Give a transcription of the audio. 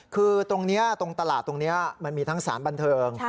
คือตรงนี้ตรงตลาดตรงนี้มันมีทั้งสารบันเทิง